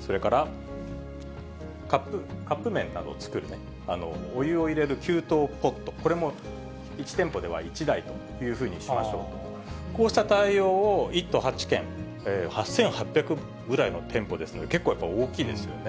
それからカップ麺などを作る、お湯を入れる給湯ポット、これも１店舗では１台というふうにしましょうと、こうした対応を１都８県、８８００ぐらいの店舗ですね、結構大きいですよね。